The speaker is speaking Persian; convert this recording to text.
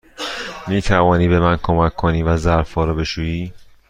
می توانی به من کمک کنی و ظرف ها را بشویی؟